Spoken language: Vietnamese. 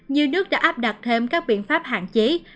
nhiều nước đã áp đặt thêm các biện pháp hạn chế